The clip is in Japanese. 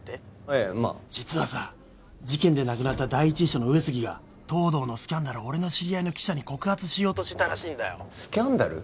ええまあ実はさ事件で亡くなった第一秘書の上杉が藤堂のスキャンダルを俺の知り合いの記者に告発しようとしてたらしいんだよスキャンダル？